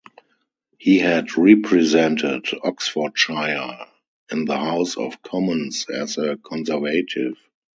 He had represented Oxfordshire in the House of Commons as a Conservative.